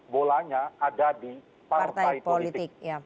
bolanya ada di partai politik